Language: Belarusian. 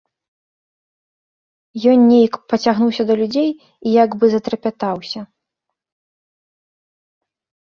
Ён нейк пацягнуўся да людзей і як бы затрапятаўся.